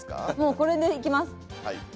これでいきます。